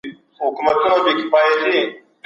سیاسي ثبات د هېواد د پرمختګ لپاره دی.